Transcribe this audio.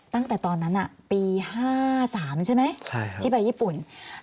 ตั้งแต่ตอนนั้นปี๕๓ใช่ไหมที่ไปญี่ปุ่น